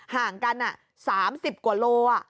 ห่างกันอ่ะ๓๐กว่าโลอ่ะ